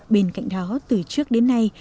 bên cạnh đó từ trước đến nay